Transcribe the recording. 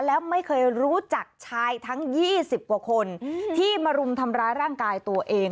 แล้วไม่เคยรู้จักชายทั้ง๒๐กว่าคนที่มารุมทำร้ายร่างกายตัวเอง